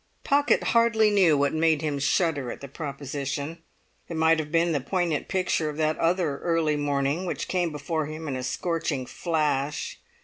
Pocket hardly knew what made him shudder at the proposition. It might have been the poignant picture of that other early morning, which came before him in a scorching flash.